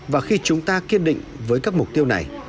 và khi chúng ta kiên định với các mục tiêu này